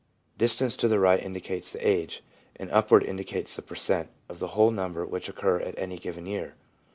Distance to the right indicates the age, and upward indicates the per cent, of the whole number which occur at any given year.